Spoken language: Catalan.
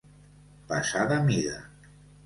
Passar de mida.